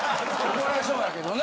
怒られそうやけどな。